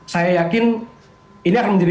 saya yakin ini akan menjadi